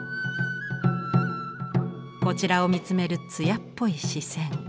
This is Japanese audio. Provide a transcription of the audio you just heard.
こちらを見つめる艶っぽい視線。